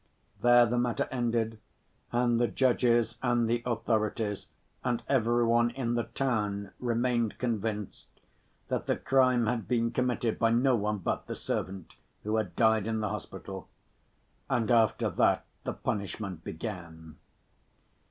There the matter ended and the judges and the authorities and every one in the town remained convinced that the crime had been committed by no one but the servant who had died in the hospital. And after that the punishment began.